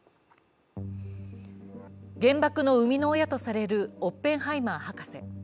原爆の生みの親とされるオッペンハイマー博士。